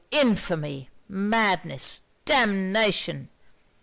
infamy madness damnation!